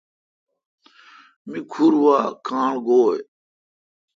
می کھور وا کاݨ گوی۔